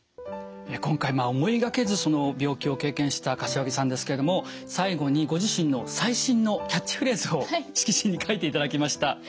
今回思いがけず病気を経験した柏木さんですけれども最後にご自身の最新のキャッチフレーズを色紙に書いていただきました。